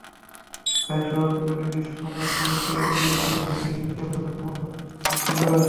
তাই শহরগুলো নিষ্ফলা মৌসুমে দরিদ্র ভূমিহীনদের জন্য কর্মসংস্থানের সুযোগ সৃষ্টি করে।